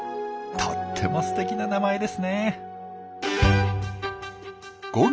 とってもすてきな名前ですね。